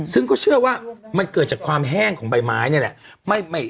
ซึ่งก็เชื่อว่ามันเกิดจากความแห้งของใบไม้นี่แหละ